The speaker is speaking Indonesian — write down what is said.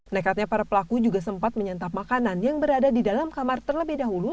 nekatnya para pelaku juga sempat menyantap makanan yang berada di dalam kamar terlebih dahulu